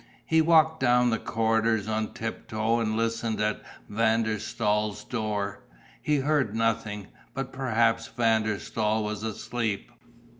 He walked down the corridors on tiptoe and listened at Van der Staal's door. He heard nothing, but perhaps Van der Staal was asleep?...